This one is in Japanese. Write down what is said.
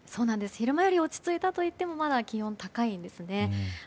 昼間より落ち着いたといってもまだ気温は高いんですね。